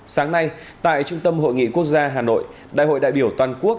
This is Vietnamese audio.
sáng nay tại trung tâm hội nghị quốc gia hà nội đại hội đại biểu toàn quốc